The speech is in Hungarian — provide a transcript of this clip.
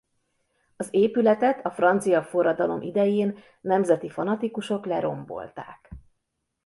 Az épületet a francia forradalom idején nemzeti fanatikusok lerombolták.